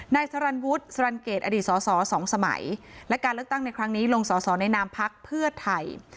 นายสรรวุฒิสรรเกตอดีตสอสอสองสมัยและการเลือกตั้งในครั้งนี้ลงสอสอในนามพักเพื่อไทย